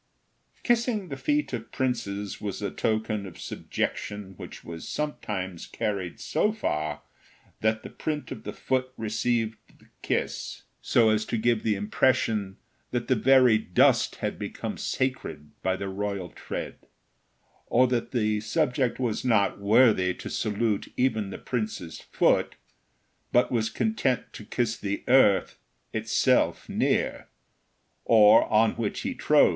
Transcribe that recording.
Kissing the feet of princes was a token of subjection which was sometimes carried so far that the print of the foot received the kiss, so as to give the impression that the very dust had become sacred by the royal tread, or that the subject was not worthy to salute even the prince's foot, but was content to kiss the earth itself near, or on which he trod.